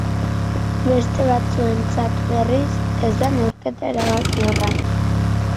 Beste batzuentzat, berriz, ez da neurketa erabakiorra.